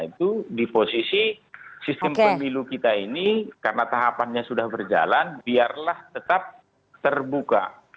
itu di posisi sistem pemilu kita ini karena tahapannya sudah berjalan biarlah tetap terbuka